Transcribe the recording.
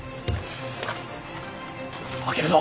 開けるぞ。